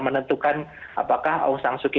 menentukan apakah aung sangsuki